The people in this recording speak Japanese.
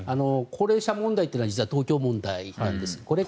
高齢者問題は実は東京問題なんです。